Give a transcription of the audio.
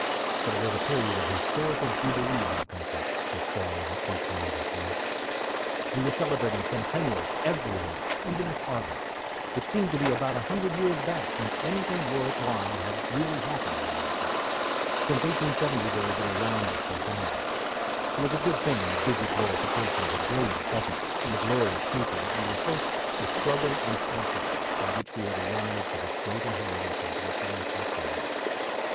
But it was a period of historical jubilee in our country, this fall of 1883. We were celebrating centennials everywhere, even at Harvard. It seemed to be about a hundred years back since anything worth while had really happened in America. Since 1870 there had been a round of centennials. It was a good thing in the busy glorification of a brilliant present, and a glorious future, that we rehearsed the struggle and hardships by which we had arrived to this great inheritance of blessing and prosperity.